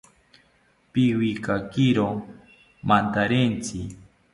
Pikiwakiro mantarentzi